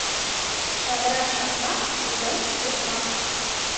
Шаҙра шаҡмаҡ, утын туҡмаҡ